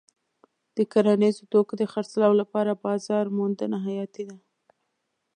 د کرنیزو توکو د خرڅلاو لپاره بازار موندنه حیاتي ده.